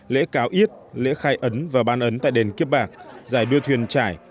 lễ cáo yết lễ khai ấn và ban ấn tại đền kiếp bạc giải đua thuyền trải